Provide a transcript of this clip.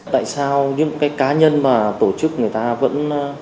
tại sao những cái cá nhân mà tổ chức người ta vẫn